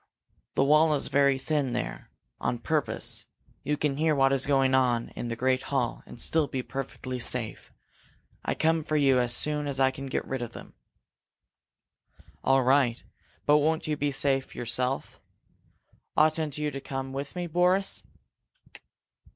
The wall is very thin there, on purpose. You can hear what is going on in the great hall and still be perfectly safe. I'll come for you as soon as I can get rid of them." "All right. But will you be safe yourself? Oughtn't you to come with me, Boris?"